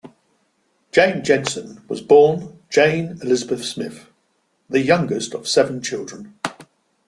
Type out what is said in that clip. Jane Jensen was born Jane Elizabeth Smith, the youngest of seven children.